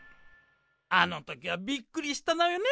あの時はびっくりしたのよね